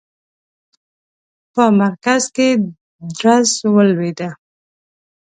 په مرکز کې درز ولوېدی.